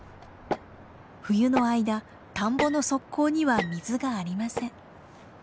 冬の間田んぼの側溝には水がありません。